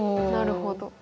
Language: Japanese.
なるほど。